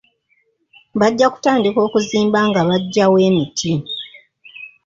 Bajja kutandika okuzimba nga bagyawo emiti.